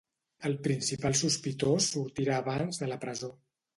El principal sospitós sortirà abans de la presó.